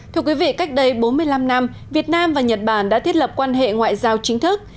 thưa quý vị cách đây bốn mươi năm năm việt nam và nhật bản đã thiết lập quan hệ ngoại giao chính thức